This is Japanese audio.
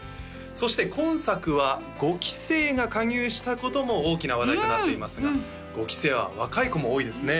そして今作は５期生が加入したことも大きな話題となっていますが５期生は若い子も多いですね